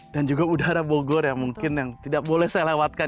dan juga udara bogor yang mungkin tidak boleh saya lewatkan